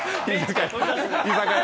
居酒屋？